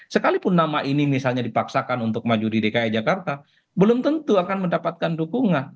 sekalipun nama ini misalnya dipaksakan untuk maju di dki jakarta belum tentu akan mendapatkan dukungan